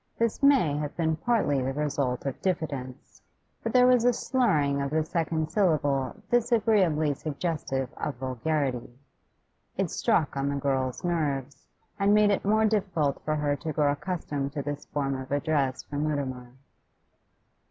This may have been partly the result of diffidence; but there was a slurring of the second syllable disagreeably suggestive of vulgarity. It struck on the girl's nerves, and made it more difficult for her to grow accustomed to this form of address from Mutimer.